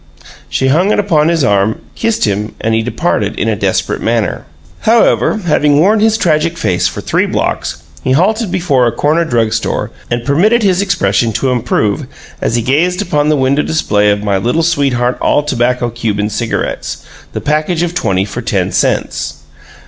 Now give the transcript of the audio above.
She hung it upon his arm, kissed him; and he departed in a desperate manner. However, having worn his tragic face for three blocks, he halted before a corner drug store, and permitted his expression to improve as he gazed upon the window display of My Little Sweetheart All Tobacco Cuban Cigarettes, the Package of Twenty for Ten Cents.